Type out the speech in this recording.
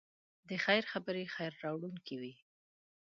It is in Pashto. د خیر خبرې خیر راوړونکی وي.